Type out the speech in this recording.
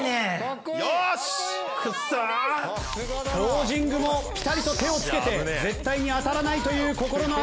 ポージングもピタリと手をつけて絶対に当たらないという心の表れ。